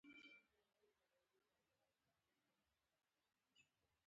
لاسونه طبیعت ته نږدې دي